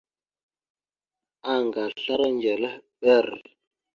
Anga aslara ndzœlœhɓer.